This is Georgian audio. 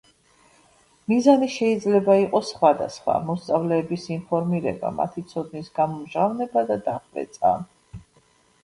მიზანი შეიძლება იყოს სხვადასხვა: მოსწავლეების ინფორმირება, მათი ცოდნის გამომჟღავნება და დახვეწა.